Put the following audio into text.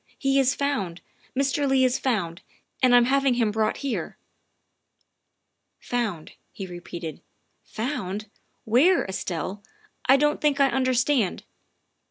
He is found Mr. Leigh is found, and I'm having him brought here." "Found," he repeated, "found? Where, Estelle? I don 't think I understand.